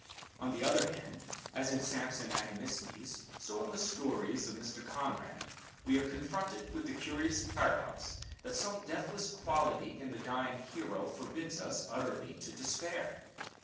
On the other hand, as in Samson Agonistes, so in the stories of Mr. Conrad we are confronted with the curious paradox that some deathless quality in the dying hero forbids us utterly to despair.